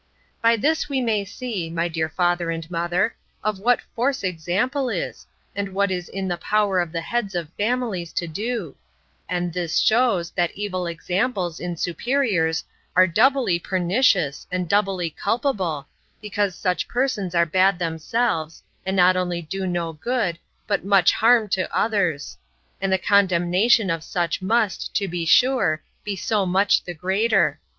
By this we may see, my dear father and mother, of what force example is, and what is in the power of the heads of families to do: And this shews, that evil examples, in superiors, are doubly pernicious, and doubly culpable, because such persons are bad themselves, and not only do no good, but much harm to others; and the condemnation of such must, to be sure, be so much the greater!